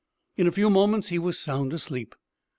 In a few moments he was sound asleep.